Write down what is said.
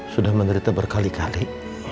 sudah menderita berkali kali